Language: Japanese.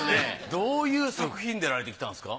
どういう作品に出られてきたんですか？